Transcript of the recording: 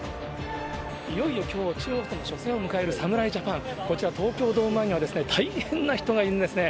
いよいよきょう、中国との初戦を迎える侍ジャパン、こちら、東京ドーム前には大変な人がいるんですね。